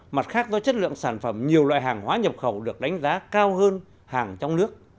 mặt khác do chất lượng sản phẩm nhiều loại hàng hóa nhập khẩu được đánh giá cao hơn hàng trong nước